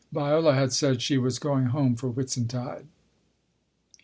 (Viola had said she was going home for Whitsuntide.)